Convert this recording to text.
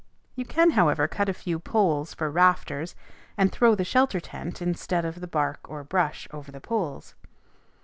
You can, however, cut a few poles for rafters, and throw the shelter tent instead of the bark or brush over the poles.